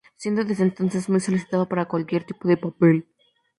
Siendo desde entonces muy solicitado para cualquier tipo de papel.